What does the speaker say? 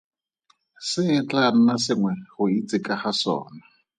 Se e tlaa nna sengwe go itse ka ga sona.